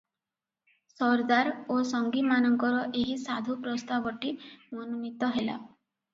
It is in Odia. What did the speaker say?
ସର୍ଦ୍ଦାର ଓ ସଙ୍ଗୀମାନଙ୍କର ଏହି ସାଧୁ ପ୍ରସ୍ତାବଟି ମନୋନୀତ ହେଲା ।